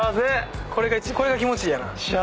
これが気持ちいいやな。